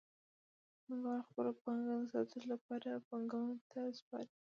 پانګوال خپله پانګه د ساتلو لپاره بانکونو ته سپاري